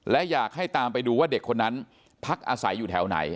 และอยากให้ตามไปดูว่าเด็กคนนั้นพักอาศัยอยู่แถวไหน